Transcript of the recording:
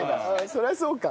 そりゃそうか。